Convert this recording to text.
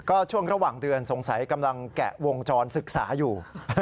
ก็ช่วงระหว่างเดือนสงสัยกำลังแกะวงจรศึกษาอยู่